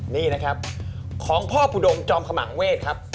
นี่นะครับของพ่ออุดมจอมขมังเวทครับ